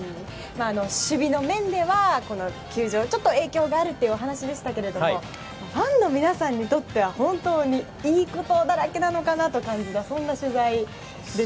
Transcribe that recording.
守備の面では、この球場ちょっと影響があるというお話でしたがファンの皆さんにとっては本当にいいことだらけなのかなと感じます。